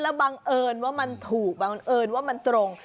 แล้วบังเอิญว่ามันถูก